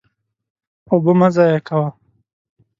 اوبه مه ضایع کوه.